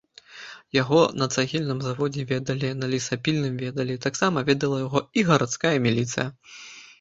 Яго на цагельным заводзе ведалі, на лесапільным ведалі, таксама ведала яго і гарадская міліцыя.